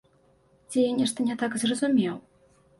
Ці я нешта не так зразумеў?